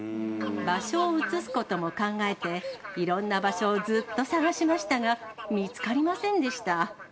場所を移すことも考えて、いろんな場所をずっと探しましたが、見つかりませんでした。